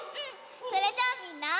それじゃあみんな。